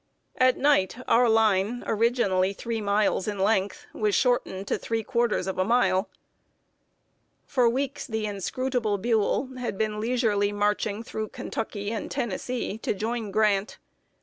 At night, our line, originally three miles in length, was shortened to three quarters of a mile. [Sidenote: BUELL'S OPPORTUNE ARRIVAL.] For weeks the inscrutable Buell had been leisurely marching through Kentucky and Tennessee, to join Grant.